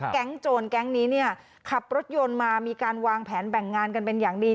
โจรแก๊งนี้เนี่ยขับรถยนต์มามีการวางแผนแบ่งงานกันเป็นอย่างดี